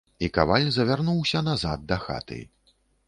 І каваль завярнуўся назад да хаты.